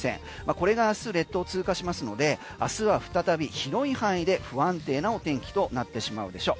これがあす列島を通過しますので明日は再び広い範囲で不安定なお天気となってしまうでしょう。